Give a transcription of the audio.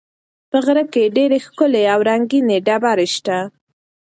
په غره کې ډېرې ښکلې او رنګینې ډبرې شته.